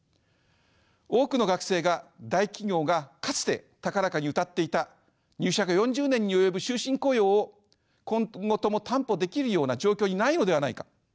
多くの学生が大企業がかつて高らかにうたっていた入社が４０年に及ぶ終身雇用を今後とも担保できるような状況にないのではないか。